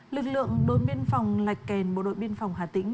lực lượng đối biên phòng lạch kèn bộ đội biên phòng hà tĩnh